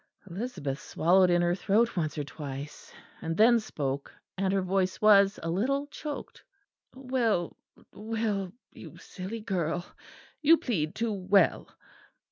Elizabeth swallowed in her throat once or twice; and then spoke, and her voice was a little choked. "Well, well, you silly girl. You plead too well."